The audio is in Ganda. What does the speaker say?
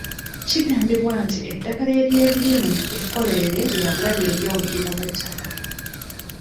Kigambibwa nti eddagala ery'ebirime ekkolerere lya bulabe eri obugimu bw'ettaka.